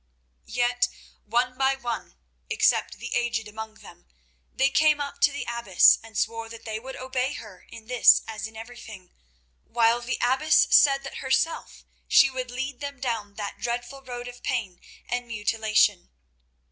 Yet one by one, except the aged among them, they came up to the abbess and swore that they would obey her in this as in everything, while the abbess said that herself she would lead them down that dreadful road of pain and mutilation.